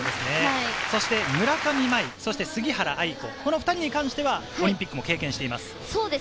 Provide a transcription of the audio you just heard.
そして村上茉愛、杉原愛子、この２人はオリンピックを経験しています。